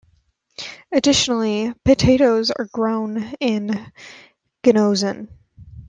Additionally potatoes are grown in Ginozan.